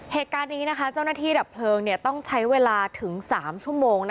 เหตุการณ์นี้เจ้าหน้าที่ดับเพลิงต้องใช้เวลาถึง๓ชั่วโมง